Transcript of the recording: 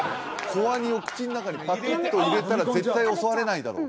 子ワニを口の中にパクッと入れたら絶対襲われないだろう？